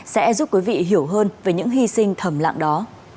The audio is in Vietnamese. sẽ giúp quý vị hiểu hơn về những hy sinh thầm lặng đó